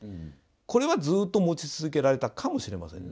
これはずっと持ち続けられたかもしれません。